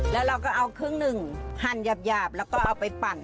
แล้วเราก็เอาครึ่งหนึ่งหั่นหยาบแล้วก็เอาไปปั่น